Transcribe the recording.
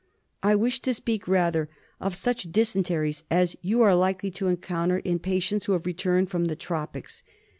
I wish to speak rather of such dysenteries as you are likely to encounter in patients who have returned from the tropics.